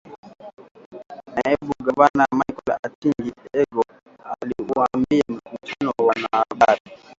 Naibu Gavana Michael Atingi-Ego aliuambia mkutano wa wanahabari